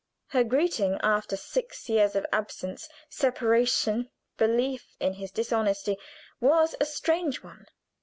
Her greeting after six years of absence, separation, belief in his dishonesty, was a strange one.